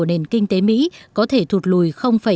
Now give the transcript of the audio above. nền kinh tế mỹ có thể thụt lùi ba mươi năm